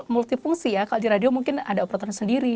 multi fungsi ya kalau di radio mungkin ada operator sendiri